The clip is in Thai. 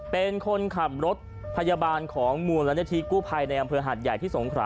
เป็นคนขับรถพยาบาลของมูลนิธิกู้ภัยในอำเภอหัดใหญ่ที่สงขรา